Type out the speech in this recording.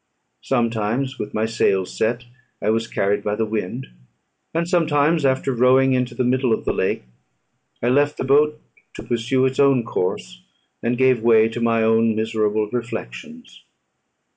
Sometimes, with my sails set, I was carried by the wind; and sometimes, after rowing into the middle of the lake, I left the boat to pursue its own course, and gave way to my own miserable reflections.